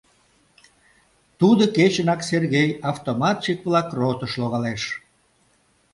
Тудо кечынак Сергей автоматчик-влак ротыш логалеш.